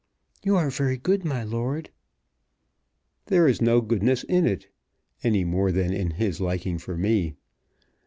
"You are very good, my lord." "There is no goodness in it, any more than in his liking for me.